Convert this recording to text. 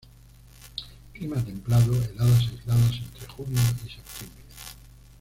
Clima templado; heladas aisladas entre junio y septiembre.